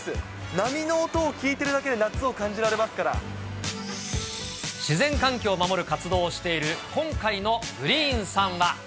波の音を聞いてるだけで夏を感じ自然環境を守る活動をしている今回のグリーンさんは。